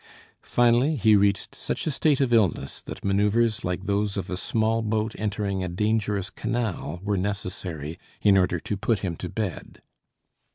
Finally he reached such a state of illness that manoeuvres like those of a small boat entering a dangerous canal were necessary in order to put him to bed.